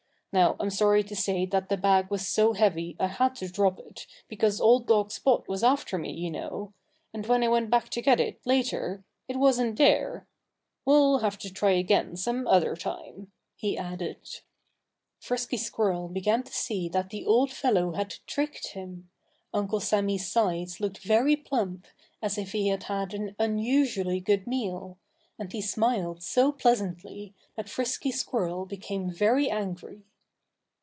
Now, I'm sorry to say that the bag was so heavy I had to drop it, because old dog Spot was after me, you know. And when I went back to get it, later, it wasn't there.... We'll have to try again, some other time," he added. Frisky Squirrel began to see that the old fellow had tricked him. Uncle Sammy's sides looked very plump, as if he had had an unusually good meal. And he smiled so pleasantly that Frisky Squirrel became very angry.